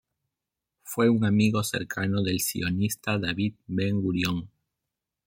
Fue un amigo cercano del sionista David Ben-Gurión.